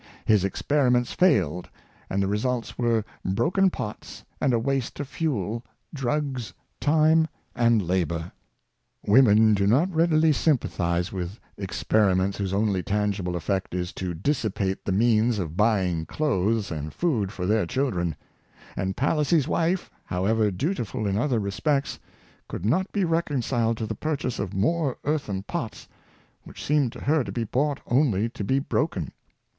His experiments failed, and the results were broken pots and a waste of fuel, drugs, time, and labor. Women do not readily sympathize with experi ments whose only tangible effect is to dissipate the means of buying clothes and food for their children; and Palissy's wife, however dutiful in other respects, could not be reconciled to the purchase of more earth en pots, which seemed to her to be bought only to be broken.